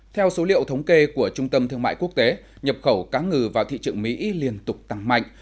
theo số liệu thống kê của trung tâm thương mại quốc tế nhập khẩu cá ngừ vào thị trường mỹ liên tục tăng mạnh